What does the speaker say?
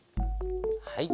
はい。